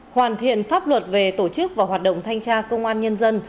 hoàn thiện pháp luật về tổ chức và hoạt động thanh tra công an nhân dân